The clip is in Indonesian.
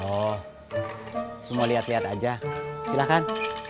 oh semua liat liat aja silahkan